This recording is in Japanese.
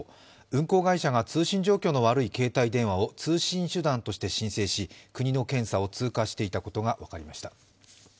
運航会社が通信状況の悪い携帯電話を通信手段として申請し国の検査を通過していたことが分かりました。